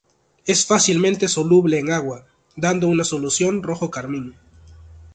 Es fácilmente soluble en agua, dando una solución rojo carmín.